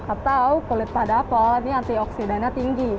atau kulit pada apel ini antioksidannya tinggi